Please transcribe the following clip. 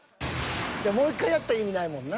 もう１回やったら意味ないもんな。